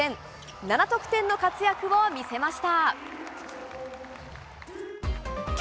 ７得点の活躍を見せました。